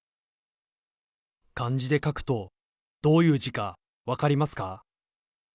漢字で書くと、どういう字か分かりますか？